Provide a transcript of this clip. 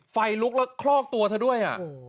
ไฟลุกแล้วคลอกตัวเธอด้วย